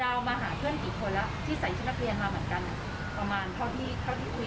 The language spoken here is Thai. เรามาหาเพื่อนกี่คนแล้วที่ใส่ชุดนักเรียนมาเหมือนกันประมาณเท่าที่เท่าที่คุย